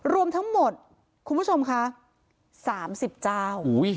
รวมทั้งหมดคุณผู้ชมค่ะ๓๐เจ้า